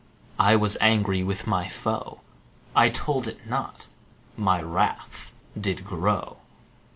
I was angry with my foe: I told it not, my wrath did grow.